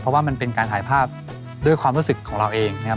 เพราะว่ามันเป็นการถ่ายภาพด้วยความรู้สึกของเราเองนะครับ